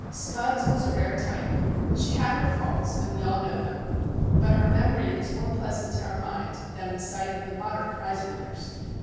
Spuds was a rare type; she had her faults, and we all knew them, but her memory is more pleasant to our mind than the sight of the modern prize winners.